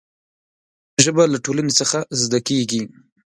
ژبه له ټولنې څخه زده کېږي.